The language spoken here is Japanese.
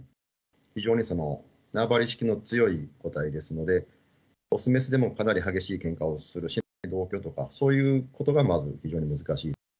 非常に縄張り意識の強い個体ですので、雄雌でもかなり激しいけんかをするし、同居とか、そういうことがまず非常に難しい。